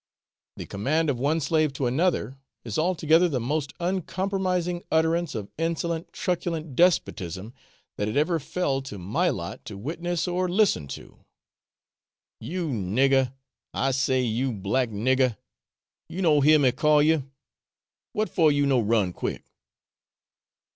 the command of one slave to another is altogether the most uncompromising utterance of insolent truculent despotism that it ever fell to my lot to witness or listen to. 'You nigger I say, you black nigger, you no hear me call you what for you no run quick?'